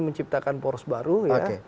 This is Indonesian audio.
menciptakan poros baru ya